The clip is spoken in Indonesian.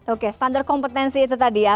oke standar kompetensi itu tadi ya